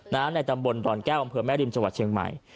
ในตำบลดอนแก้วอำเภอแม่ริมจังหวัดเชียงใหม่